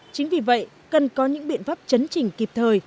chính vì vậy cần có những biện pháp chấn chỉnh kịp thời